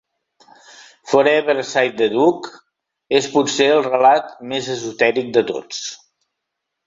"Forever, said the Duck" és potser el relat més esotèric de tots.